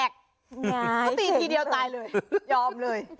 ก็ตีทีเดียวตายเลย